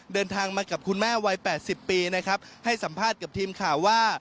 เดินทางมากับคุณแม่วัย๘๐ปีนะครับให้สัมภาษณ์กับทีมข่าวว่า